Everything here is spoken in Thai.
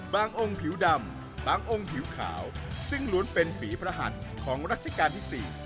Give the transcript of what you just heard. องค์ผิวดำบางองค์ผิวขาวซึ่งล้วนเป็นฝีพระหัสของรัชกาลที่๔